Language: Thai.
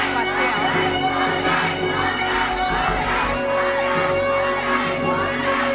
ร้องได้ร้องได้ร้องได้ร้องได้ร้องได้